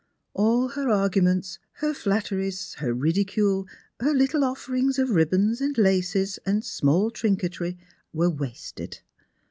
All her arguments, her flit teries, her ridicule, her little offerings of ribbons and liices aad small trinketry, were wasted.